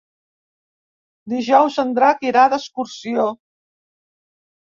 Dijous en Drac irà d'excursió.